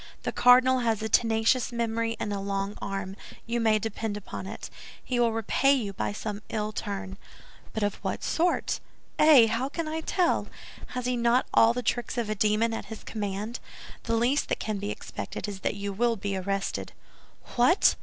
The cardinal has a tenacious memory and a long arm; you may depend upon it, he will repay you by some ill turn." "But of what sort?" "Eh! How can I tell? Has he not all the tricks of a demon at his command? The least that can be expected is that you will be arrested." "What!